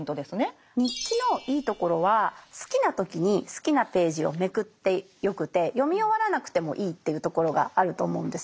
日記のいいところは好きな時に好きなページをめくってよくて読み終わらなくてもいいっていうところがあると思うんですよ。